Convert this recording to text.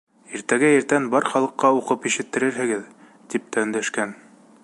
Иртәгә иртән бар халыҡҡа уҡып ишеттерерһегеҙ, тип тә өндәшкән.